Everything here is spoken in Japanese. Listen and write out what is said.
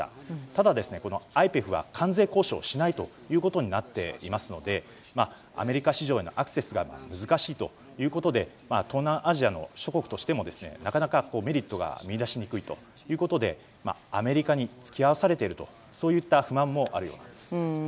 ただ、ＩＰＥＦは関税交渉をしないとなっていますのでアメリカ市場へのアクセスが難しいということで東南アジア諸国としてもなかなかメリットが見出しにくいということでアメリカに付き合わされているといった不満もあるようなんです。